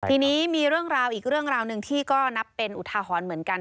ทีนี้มีเรื่องราวอีกเรื่องราวหนึ่งที่ก็นับเป็นอุทาหรณ์เหมือนกัน